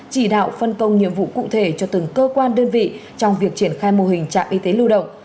chỉ đạo phân công nhiệm vụ cụ thể cho từng cơ quan đơn vị trong việc triển khai mô hình trạm y tế lưu động